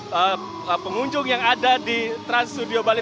dan juga pengunjung yang ada di trans studio bali